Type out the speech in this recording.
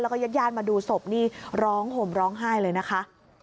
แล้วก็ญาติญาติมาดูศพนี่ร้องห่มร้องไห้เลยนะคะ